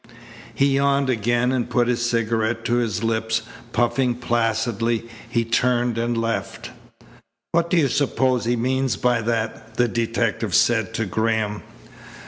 He yawned again and put his cigarette to his lips. Puffing placidly, he turned and left. "What do you suppose he means by that?" the detective said to Graham.